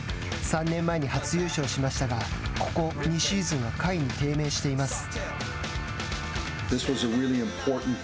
３年前に初優勝しましたがここ２シーズンは下位に低迷しています。